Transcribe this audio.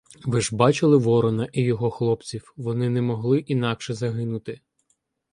— Ви ж бачили Ворона і його хлопців?! Вони не могли інакше загинути.